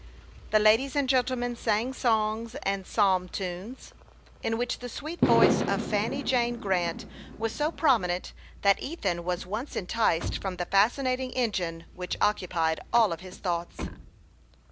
The ladies and gentlemen sang songs and psalm tunes, in which the sweet voice of Fanny Jane Grant was so prominent that Ethan was once en ticed from the fascinating engine which occupied all his thoughts.